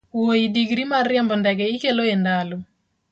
wuoyi digri mar riembo ndege ikelo e ndalo?